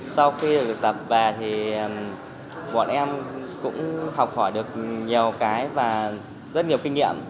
sau khi được thực tập về thì bọn em cũng học hỏi được nhiều cái và rất nhiều kinh nghiệm